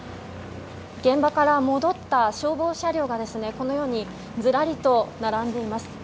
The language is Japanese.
現場から戻った消防車両がこのようにずらりと並んでいます。